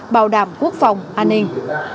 bảo đảm quốc phòng an ninh